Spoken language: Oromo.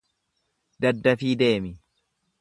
daddafii deemi